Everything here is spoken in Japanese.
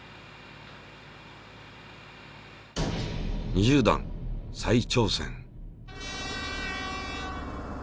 ２０段再挑戦。